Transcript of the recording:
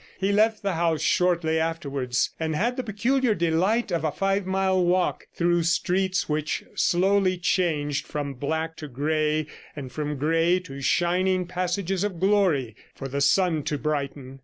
He left the house shortly afterwards, and had the peculiar delight of a five mile walk, through streets which slowly changed from black to grey, and from grey to shining passages of glory for the sun to brighten.